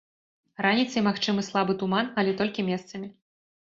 Раніцай магчымы слабы туман, але толькі месцамі.